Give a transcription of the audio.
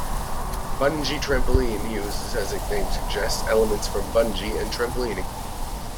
"Bungy Trampoline" uses, as its name suggests, elements from bungy and trampolining.